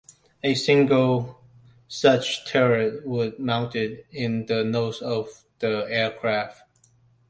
A single such turret would mounted in the nose of the aircraft.